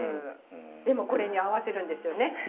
でもこれに合わせるんですよね？